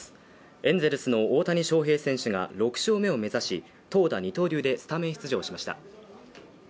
エンゼルスの大谷翔平選手が６勝目を目指し、投打二刀流でスタメン出場しました。